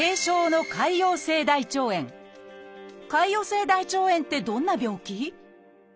「潰瘍性大腸炎」ってどんな病気？